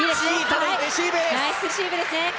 ナイスレシーブですね！